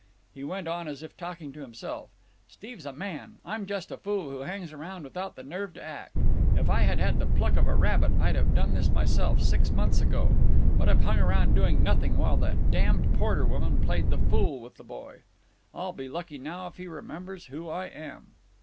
He went on as if talking to himself. "Steve's a man. I'm just a fool who hangs round without the nerve to act. If I had had the pluck of a rabbit I'd have done this myself six months ago. But I've hung round doing nothing while that damned Porter woman played the fool with the boy. I'll be lucky now if he remembers who I am."